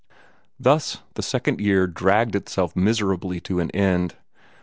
Thus the second year dragged itself miserably to an end.